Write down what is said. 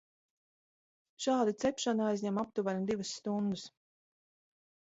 Šādi cepšana aizņem aptuveni divas stundas.